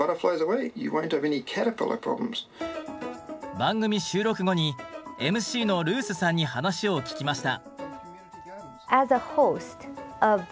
番組収録後にＭＣのルースさんに話を聞きました。